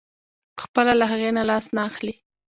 پخپله له هغې نه لاس نه اخلي.